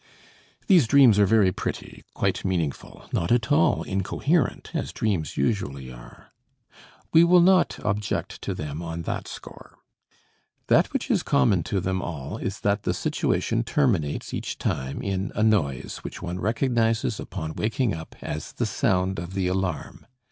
These dreams are very pretty, quite meaningful, not at all incoherent, as dreams usually are. We will not object to them on that score. That which is common to them all is that the situation terminates each time in a noise, which one recognizes upon waking up as the sound of the alarm.